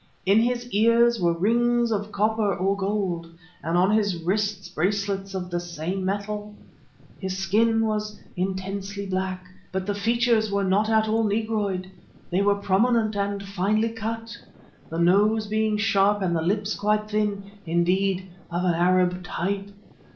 In his ears were rings of copper or gold, and on his wrists bracelets of the same metal. His skin was intensely black, but the features were not at all negroid. They were prominent and finely cut, the nose being sharp and the lips quite thin; indeed of an Arab type.